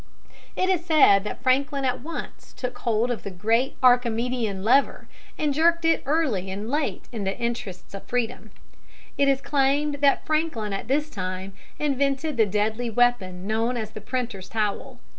It is said that Franklin at once took hold of the great Archimedean lever, and jerked it early and late in the interests of freedom. [Illustration: THE PRINTER'S TOWEL.] It is claimed that Franklin, at this time, invented the deadly weapon known as the printer's towel.